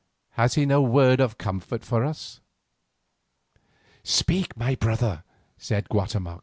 Has he no word of comfort for us?" "Speak, my brother?" said Guatemoc.